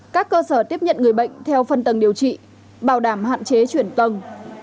các cơ sở tiếp nhận người bệnh theo phân tầng điều trị bảo đảm hạn chế chuyển tầng